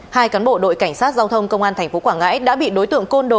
hai cán bộ đội cảnh sát giao thông công an tp quảng ngãi đã bị đối tượng